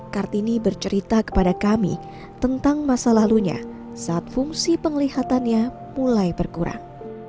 kartini bercerita kepada kami tentang masa lalunya saat fungsi penglihatannya mulai berkurang